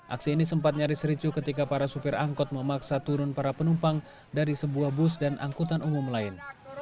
aksi ini sempat nyaris ricu ketika para supir angkot memaksa turun para penumpang dari sebuah bus dan angkutan umum lain